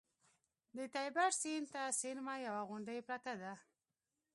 د تیبر سیند ته څېرمه یوه غونډۍ پرته ده